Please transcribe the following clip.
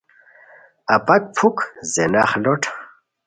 اپاک پُھک زینخ لوٹ